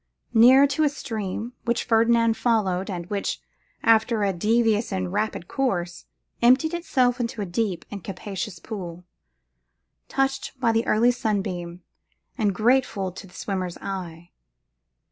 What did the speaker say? Near it a stream, which Ferdinand followed, and which, after a devious and rapid course, emptied itself into a deep and capacious pool, touched by the early sunbeam, and grateful to the swimmer's eye.